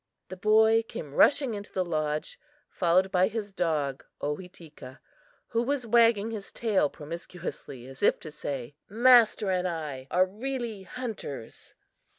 The boy came rushing into the lodge, followed by his dog Ohitika who was wagging his tail promiscuously, as if to say: "Master and I are really hunters!"